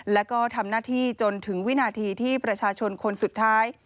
แล้วก็ทำหน้าที่จนถึงวินาทีที่ประชาชนคนสุดท้าย